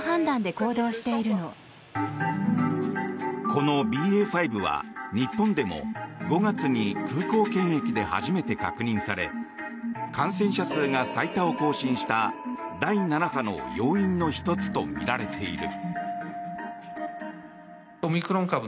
このＢＡ．５は日本でも５月に空港検疫で初めて確認され感染者数が最多を更新した第７波の要因の１つとみられている。